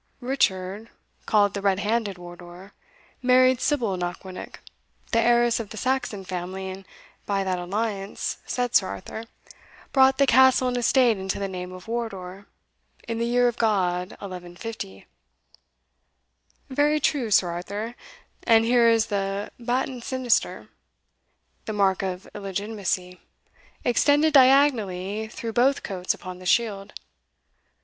"Richard, called the red handed Wardour, married Sybil Knockwinnock, the heiress of the Saxon family, and by that alliance," said Sir Arthur, "brought the castle and estate into the name of Wardour, in the year of God 1150." "Very true, Sir Arthur; and here is the baton sinister, the mark of illegitimacy, extended diagonally through both coats upon the shield.